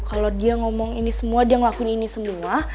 kalau dia ngomong ini semua dia ngelakuin ini semua